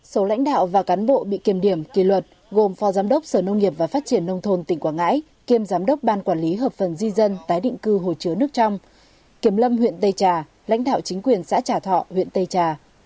số lãnh đạo và cán bộ bị kiểm điểm kỳ luật gồm phó giám đốc sở nông nghiệp và phát triển nông thôn tỉnh quảng ngãi kiêm giám đốc ban quản lý hợp phần di dân tái định cư hồ chứa nước trong kiểm lâm huyện tây trà lãnh đạo chính quyền xã trà thọ huyện tây trà